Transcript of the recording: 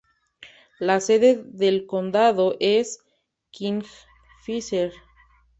La sede del condado es Kingfisher.